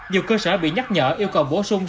nhiều cơ sở bị nhắc nhở yêu cầu bổ sung